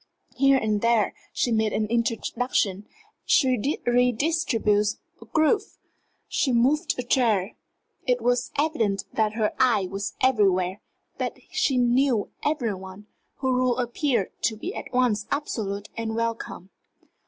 Here and there she made an introduction, she redistributed a group, she moved a chair. It was evident that her eye was everywhere, that she knew every one; her rule appeared to be at once absolute and welcome.